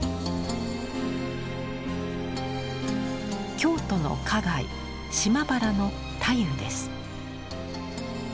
京都の花街島原の太夫です。